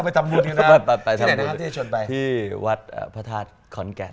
อาตรีชวนไปในวัดพระธาตุขอนแก่น